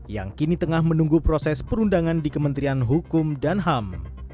yang kini tengah menunggu proses perundangan di kementerian hukum dan ham